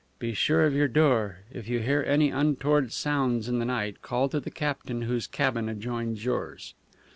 "Be sure of your door. If you hear any untoward sounds in the night call to the captain whose cabin adjoins yours."